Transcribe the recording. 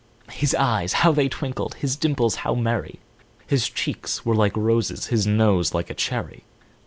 is eyes—how they twinkled! his dimples how merry! His cheeks were like roses, his nose like a cherry!